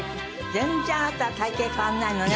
全然あなたは体形変わらないのね。